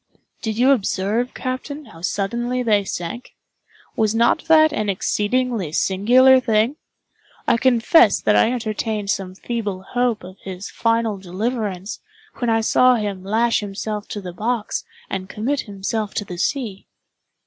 "Did you observe, captain, how suddenly they sank? Was not that an exceedingly singular thing? I confess that I entertained some feeble hope of his final deliverance, when I saw him lash himself to the box, and commit himself to the sea."